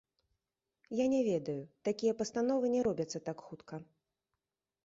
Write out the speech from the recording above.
Я не ведаю, такія пастановы не робяцца так хутка.